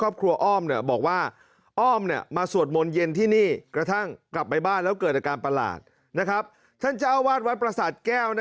ทำให้ไม่สามารถคุมตัวเองได้ไปบ้านหมอปลาไปบ้านหมอปลาไปรักษาที่นั่น